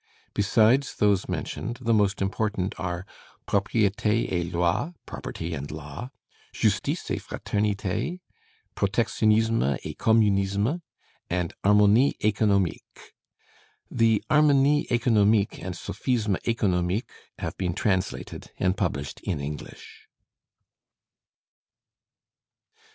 Besides those mentioned, the most important are 'Propriété et Loi' (Property and Law), 'Justice et Fraternité,' 'Protectionisme et Communisme,' and 'Harmonies économiques.' The 'Harmonies économiques' and 'Sophismes économiques' have been translated and published in English.